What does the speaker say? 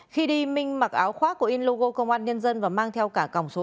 khi đi minh mặc áo khoác của in logo công an nhân dân và mang theo cả còng số tám